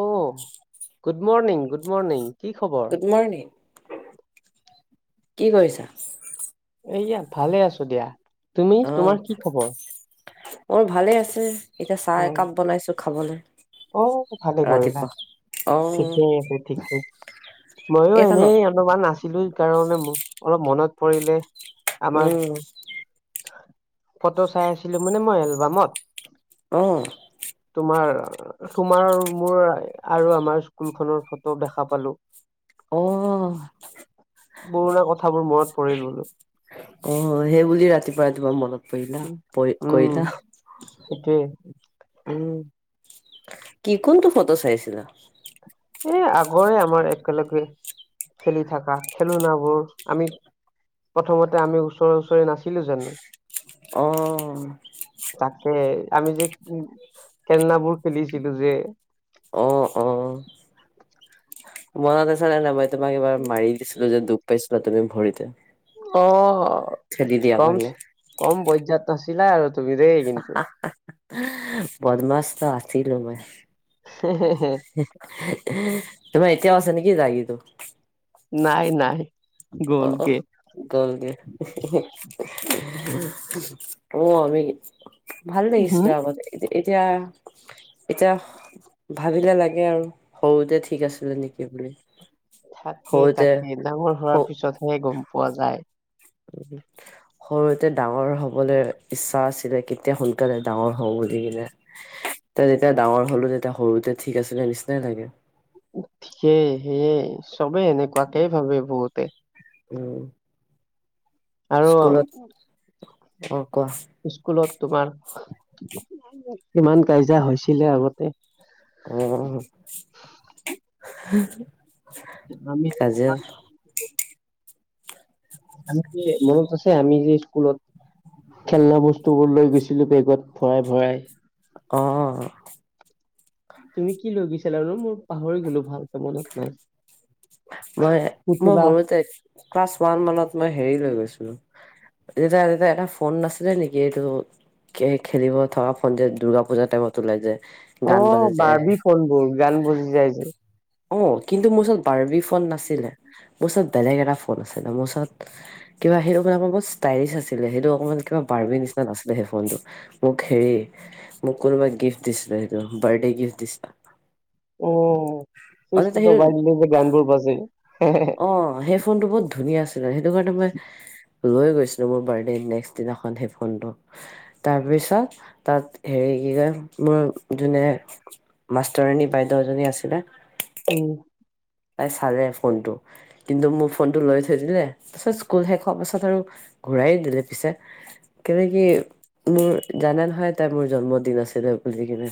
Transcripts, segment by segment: অ good morning good morning. কি খবৰ? Good morning, কি কৰিছা? এয়া ভালে আছো দিয়া তুমি অ তোমাৰ কি খবৰ? মোৰ ভালে আছে এতিয়া চাহ অ একাপ বনাইছো খাবলৈ। অ ভালেই কৰিলা। ৰাতিপুৱা অ ঠিকেই আছে ঠিকেই ময়ো এটা ন এনেই অলপমান আাছিলো সে কাৰণে মোৰ অলপ মনত পৰিলে। আমাৰ উম। ফটো চাই আছিলোঁ মানে মই এলবামত। অহ। তোমাৰ তোমাৰ মোৰ আৰু আমাৰ স্কুলখনৰ ফটো দেখা পালো। অহ। পুৰণা কথাবোৰ মনত পৰিল বোলো। অ সেই বুলি ৰাতিপুৱা ৰাতিপুৱা মনত কলা উম কৰিলা সেইটোৱে। উম। কি কোনটো ফটো চাইছিলা এ আগৰে আমাৰ একেলগে খেলি থকা খেলনাবোৰ আমি প্ৰথমতে আমি ওচৰে ওচৰে নাছিলো জানো অ তাকে আমি যে খেলনাবোৰ খেলিছিলোঁ যে। অ অ মনত আছে নে নাই মই তোমাক এইবাৰ মাৰি দিছিলো যে দুখ পাইছিলা তুমি ভৰিতে অ খেদি দিয়া কম কাৰণে কম পৰ্যাত নাছিলা আৰু তুমি দেই কিন্তু বদমাছ তো আছিলো মই তমই এতিয়াও নে কি জাগি তো নাই নাই অ গ'লগে গাল দিয় অ আমি ভাল উম লাগিছিলে আগতে এদিন এতিয়া এতিয়া ভাবিলে লাগে আৰু সৰুতে ঠিক ঠিক আছিলে নেকি বুলি হ'বদে। তাৰ পিছতহে গম পোৱা যায় সৰুতে ডাঙৰ হবলৈ ইচ্ছা আছিলে কেতিয়া সোনকালে ডাঙৰ হব সু কিনে যেতিয়া ডাঙৰ হলো তেতিয়া সৰুতে ঠিক আছিলে নিচিনাই লাগে সয়ে সেয়ে চবে এনেকুৱাকে ভাবে বহুতে উম আৰু স্কুলত অ কোৱা স্কুলত তোমাৰ ইমান কাজিয়া হৈছিলে আগতে উ আমি আনকি মোৰো টচ আমি যে স্কুলত খেলনা বস্তু বোৰ লৈ গৈছিলো বেগত ভৰাই ভৰাই অ তুমি কি লৈ গৈছিলা আৰু নো, মই পাহৰি গলো ভালকৈ মনত নাই। মই, মই পুতলা সৰুতে ক্লাছ ওৱান মানত মই হেৰি হৈ গৈছো। তায়া এটা ফোন নাছিলে নেকি এইটো খেলিব থকা ফন যে, দুৰ্গা পূজা টাইমত ওলাই যায়। অ, বাৰিবি ফোনবোৰ, গান বজি যাই যে। অ, কিন্তু মোৰ ওচৰত বাৰ্ব ফোন নাছিলে, মোৰ ওচৰত বেলেগ এটা ফোন আছিলে, মোৰ ওচৰত কিবা সেইটোণে ব, ষ্টাইলছ আছিলেই সেইটো অকণমান কিবা, বাৰবী নিচিনা নাছিলে, সেই ফোনটো। মোক হেৰী, মোক কোনোবা গিফ্ট দিছলে, সিটো বাৰ্থডে গিফ্ট দিছে। ও, চুইচ টো ডবাইলে যে গানবোৰ বাজে। অ, সেই ফোনটো বহুত ধুনীয়া আছিলে, সেইটো কাৰণে মই লৈ গৈছিলো মোৰ বাৰ্থ নেক্স দিনাখন, হেডফোনটো, তাৰ পিছত তাত হেৰি হেইগিতা, মোৰ যোনে মাষ্টৰণী বাইদেজননেী আছিললে। উম। তাই চালে ফোনটো, কিন্তু মোৰ ফোনটো লৈ থৈ দিলে, তাৰপিছত স্কুল শেষ হোৱাৰ পাছত আৰু। ঘূৰাই দিলে পিছে। কেনেকে, কি মোৰ জানে নহয়, তাই মোৰ জন্মদিন আছিলে বুলি কিনে।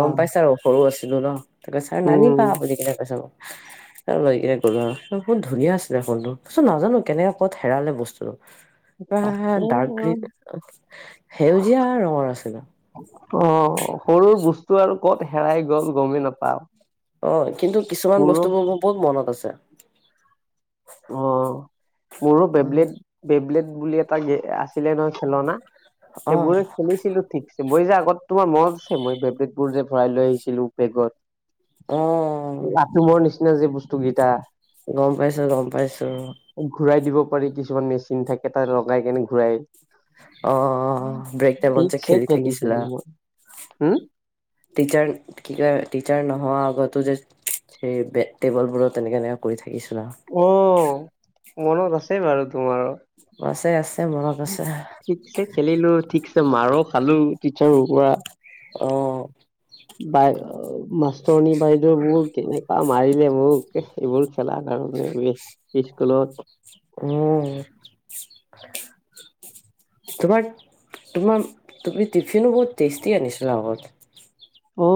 গম পাইছ আৰু সৰু আছিলো ন, ত কৈছ আৰু নানিবা উম বুলি কৈছে মোক। [unintelligible] তাৰপিছত আহি কলো, বহুত ধুনীয়া আছিলে ফোনটো, তাৰপিছত নাজানো কেনেক, কত হেৰালে বস্তুটো। হ, হা তাকে ডাৰ্ক গ্ৰীণ, অ সেউজীয়া ৰঙৰ আছিলো। অ, সৰু বস্তু আৰু কত হেৰাই গ'ল গমেই নাপাও। অ, কিন্তু কিছুমান মোৰো বস্তুবোৰ বহুত মনত আছে। অ, মোৰো বেবলেট, অ বেবলেট বুলি এটা আছিলে নহয়। খেলনা, সেইবোৰে খেলিছিলো ঠিকছে বৈ যা ত, তোমাৰ মন আছে মই বেবেবুত যে ভৰাই লৈ আহিছিলো অ বেগত। আ তুমৰ নিচিনা যে, বস্তু কেইটা। গম পাইছো, গম পাইছো। কৰি কিছুমান, মেচিন থাকে তাত লগাই কেনে ঘূৰাই। অ ব্ৰেক টাইমত যে ঠিকছে খেলি থাকিছিলা কেলিছোমই হম টিচাৰ কি, টিচাৰ নহোৱা আগতো যে সেই টেবুল বোৰো, তেনেকে এনেকে কৰি থাকে। অ, মনত আছে বাৰু। তোমাৰো আছে, আছে। মনত আছে ঠিকছে খেলিলো, ঠিকছে মাৰো খালো টিচাৰৰ পৰা। অ। মাষ্টৰণী বাইদেউবোৰ কেনেকুৱা মাৰিলে মোক, সেইবোৰ খেলা কাৰণে মিছ উম। তোমাৰ তোমাৰ তুমি এইখিনো বহুত টেষ্টি আনিছিলো, আগত। অ,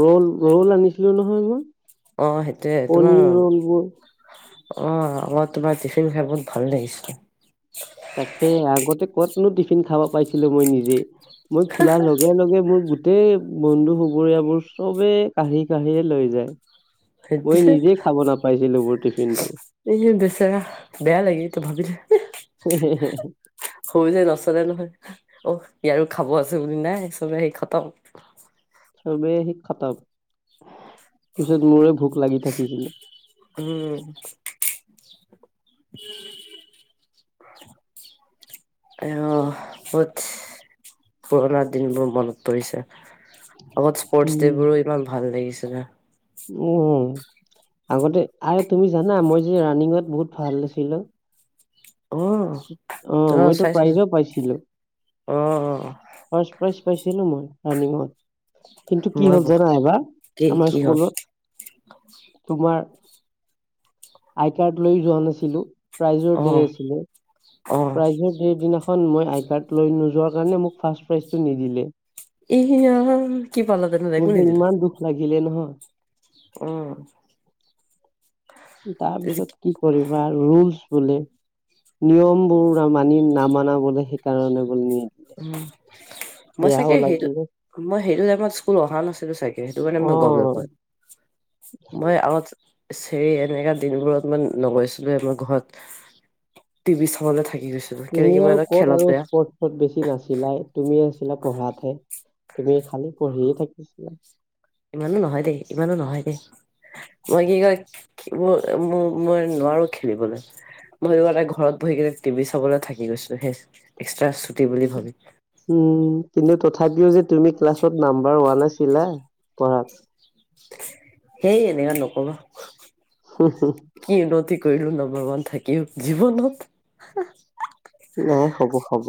ৰল, ৰল আনিছিলো নহয় মই। অ' সেইটোয়ে কণী তোমাৰ অ, ৰলবোৰ মই তোমাৰ টিফিন খাই বহুত ভাল লাগিছ। তাকে আগতে কতনো টিফিন খাব, পাইছিলো মই নিজে। মই খোলাৰ লগে, লগে মোৰ গোটেই বন্ধু, চুবুৰীয়াবোৰ, চবেই কাঢ়ি কাঢ়িয়ে লৈ যায়। মই সেইটোৱে নিজে খাব নাপাইছিলো মোৰ টিফিন টো। এইযে, বেচৰা বেয়া লাগে তো ভাবিলো। [inaudible] হৈ যায়, নচলে নহয়। অ' ইয়াৰো খাব আছেো বুলি নাই চবে সেৰি খতম। চবে সি খটাব পিছত মোৰে ভোক লাগি থাকিছিল। উম। [inaudible] অহ, বহুত পুৰণা দিনবোৰ মনত পৰিছে। আগত স্পৰ্টছ ডে উম বোৰো ইমান ভাল লাগিছিলে। উম আগতে আৰু তুমি জানা মই যে ৰাণিঙত বহুত ভাল আছিলোঁ। অ', ত অ', মইতো চাইছো প্ৰাইজো পাইছিলোঁ। অ', ফাৰ্ষ্ট প্ৰাইজ পাইছিলোঁ মই, ৰাণিঙত। কিন্তু কি মই ব হ'ল জানা এইবাৰ? কি আমাৰ কি হ'ল স্কুলত, তোমাৰ আই কাৰ্ড লৈ যোৱা নাছিলোঁ, প্ৰাইজৰ ডে অ', আছিলে। অ', প্ৰাইজৰ ডেৰ দিনাখন মই আই কাৰ্ড লৈ নোযোৱাৰ কাৰণে, মোক ফাৰ্ষ্ট প্ৰাইজটো নিদিলে। [unintelligible] কি পালা তেনে একো নিদিলে? দিলে নহয়। অ'। তাৰ পিছত কি কৰিবা আৰু ৰুলছ বোলে, নিয়মবোৰ মানি নামানা বোলে সেইকাৰণে বোলে [inaudible] উম, মই চাগে বেয়াও সেইটো, লাগিলে মই সেইটো টাইমত স্কুল অহা নাছিলোঁ চাগে। সেইটো কাৰণে অ মই গম নাই পোৱা। মই আগত [unintelligible] এনেকা দিনবোৰত মই নগৈছিলোয়ে মই ঘৰত, টি ভি চাবলৈ থাক তুমি আৰু ক'ত আৰু স্পৰ্টছত বেছি নাছ [unintelligible] তুমি আছিলা পঢ়াতহে, তুমি খালি পঢ়িয়ে থাকিছিলা। ইমানো নহয় দেই, ইমানো নহয় দেই। মই কি কয়, ম-ম-মই নোৱাৰো খেলিবলৈ। মই সেইটো কাৰণে ঘৰত বহি কিনে টি ভি চাবলৈ থাকি গৈছোঁ হে, এক্সট্ৰা [inaudible] উম, কিন্তু তথ থাপিও যে তুমি ক্লাছত নাম্বাৰ ওৱান আছিলা, পঢ়াত। হেই এনেৱা নকবা, কি উন্নতি কৰিলোঁ ন' [unintelligible] থাকিও জীৱনত নাই হ'ব হ'ব।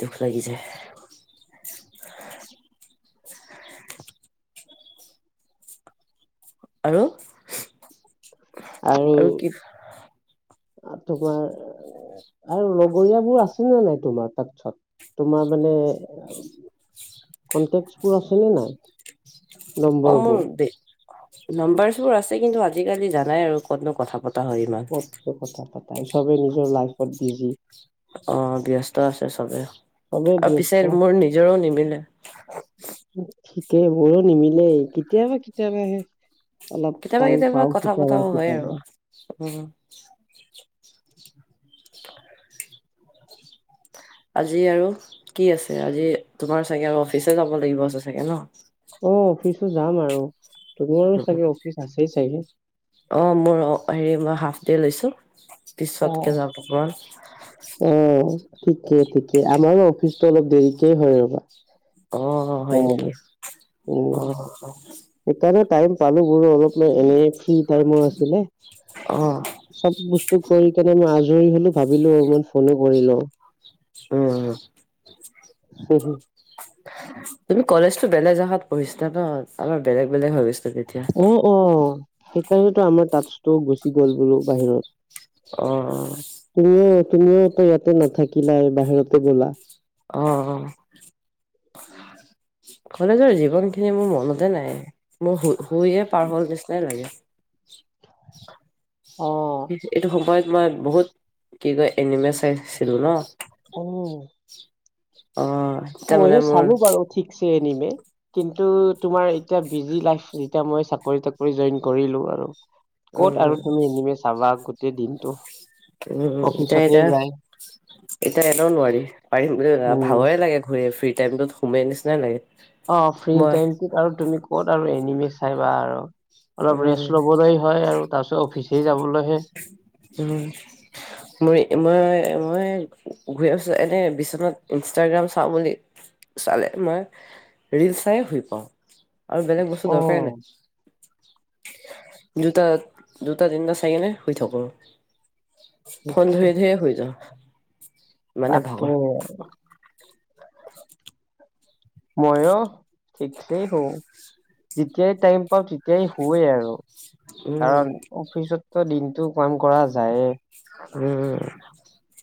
দুখ লাগি যায়। আৰু? আৰু, তোমাৰ আৰু লগৰীয়াবোৰ আছে নে নাই তোমাৰ তাতছত? তোমাৰ মানে কণ্টেক্টছবোৰ আছে নে নাই? অ', মোৰ নম্বৰবোৰ বে, নম্বাৰ্চবোৰ আছে কিন্তু আজিকালি জানাই আৰু ক'তনো কথা পত [unintelligible] ইমান। তাই চবে নিজৰ লাইফত বিজি। অ', ব্যস্ত আছে চবে। চবে আৰু পিছে ব্যস্ত মোৰ নিজৰও নিমিলে। [unintelligible] মোৰো নিমিলেই কেতিয়াবা কেতিয়াবাহে। অলপ কেতিয়াবা টাইম কেতিয়াবা পাওঁ কথা কেতিয়াবা পতাও হয় আৰু কেতিয়াবা। উম। আজি আৰু কি আছে? আজি তোমাৰ চাগে আৰু অফিচ যাব লাগিব আছে চাগে ন'? অ', অফিচো যাম আৰু। তোমাৰো চাগে [unintelligible] অফিচ আছেই চাগে অ', মোৰ অ', হেৰি মই হাফ ডে লৈছোঁ। অ পিছতকে যাম অকমান। অ ঠিকে ঠিকে, আমাৰ অফিচটো অলপ দেৰিকে হয় ৰ'বা। অ হয় নেকি [unintelligible] অ উম। সেইকাৰণে টাইম পালোঁ বোৰো অলপ এনে ফ্ৰী টাইমো আছিলে। অ চব বস্তু কৰিকেনে মই আজৰি হলো ভাবিলো অমান ফোনে কৰি লওঁ। উম তুমি কলেজটো বেলেগ জগাত পঢ়িছিলা ন অলপ বেলেগ বেলেগ হৈ গৈছ অ অ সেইকাৰণেতো আমাৰ তাষ্টো গুচি গ'ল বোলো বাহিৰত। অহ তুমিও ত ইয়াতে নাথাকিলা বাহিৰতে গ'লা। অ অ [inaudible] কলেজৰ জীৱনখিনি মোৰ মনতে নাই মোৰ শু-শুইয়ে পাৰ হল নিচিনাই লাগে। [inaudible] অ এইটো সময়ত মই বহুত কি কয় এনিমে চাইছিলো ন। অ অ এতিয়া অ মানে মোৰ চালো বাৰু ঠিকছ এনিমে কিন্তু তোমাৰ এতিয়া বিজি লাইফ যেতিয়া মই চাকৰি তাকৰি জইন কৰিলো আৰু। ক'ত উম আৰু তুমি এনিমে চাবা গোটেই দিনটো। উম এতিয়া অফিচতে এটা যায় এতিয়া এনেও নোৱাৰি, পাৰিম বুলি উম। ভাগৰে লাগে ঘূৰে ফুৰি টাইমত সোমে নিচিনাই লাগে। অ ফ্ৰী মই টাইমটোত আৰু তুমি ক'ত আৰু এনিমে চাইবা আৰু। অলপ উম ৰেষ্ট লবলৈ হয় আৰু তাৰপিছত অফিচ যাবলৈহে মই মই মই ঘূৰি আছোঁ এনেই বিচনাত ইনষ্টাগ্ৰাম চাওঁ বুলি চালে মই ৰিলছ চায়ে শুই পাওঁ আৰু বেলেগ বস্তু অ দৰকাৰেই নাই। দুটা দুটা তিনিটা চাইকেনে শুই থাকোঁ। ফোন ধৰি ধৰিয়ে শুই যাওঁ। মানে ভাগৰ [unintelligible] ময়ো ঠিকছে শুও। যেতিয়াই টাইম পাওঁ তেতিয়াই সোৱে আৰু। উম কাৰণ অফিচততো দিনটো কাম কৰা যায়ে। উম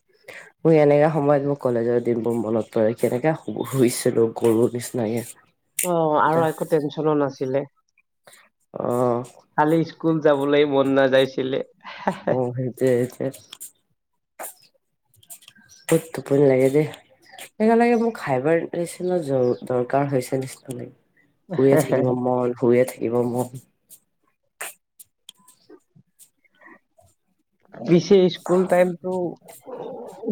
[inaudible] মোৰ এনেকা সময়ত মোৰ কলেজৰ দিনবোৰ মনত পৰে এনেকে শুইছিলো গৰুৰ নিচিনাকে। অ আৰু একো টেনচনো নাছিলে অ খালি স্কুল যাবলৈ মন নাযাইছিলে। অ সেইটোৱে সেইটোৱে। [inaudible] [unintelligible] টোপনি লাগে দেই। [unintelligible] নিচিনা জৰ দৰকাৰ হৈছে নিচিনা লাগে। শুয়ে থাকিব মন শুইয়ে থাকিব মন। পিছে স্কুল টাইমটো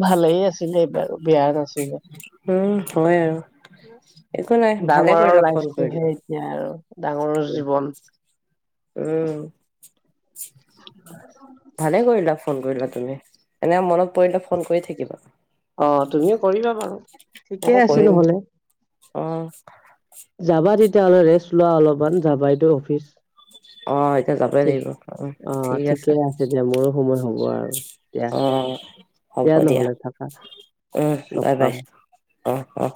ভালেই আছে ছিলে বেয়া নাছিলে। উম হয় আৰু। একো নাই ভালে ডাঙৰৰ কৰিলো ফোন লাইফটোহে কৰিলো। এতিয়া আৰু ডাঙৰৰ জীৱন উম ভালে কৰিলা ফোন কৰিলা তুমি এনে মনত পৰিলে ফোন কৰি থাকিবা। অ তুমিও কৰিবা বাৰু ঠিকেই আকৌ আছ কৰিম নহলে। অ যাবা তেতিয়াহ'লে ৰেষ্ট লোৱা অলপমান যাবাইটো অফিচ। অ এতিয়া যাবই লাগিব উ অ ঠিক ঠিকে আছে দিয়া মোৰো সময় হব আৰু দিয়া। অ দিয়া নহলে থাকা উম লগ বাই বাই পাম। অ', অ'।